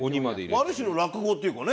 ある種の落語っていうかね。